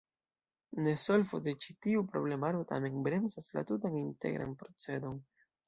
Nesolvo de ĉi tiu problemaro tamen bremsas la tutan integran procedon.